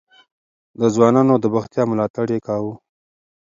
د ځوانانو د بوختيا ملاتړ يې کاوه.